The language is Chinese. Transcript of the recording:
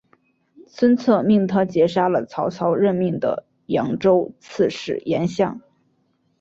孙策命他截杀了曹操任命的扬州刺史严象。